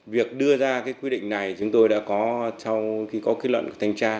việc đưa ra quy định này chúng tôi đã có sau khi có kết luận thanh tra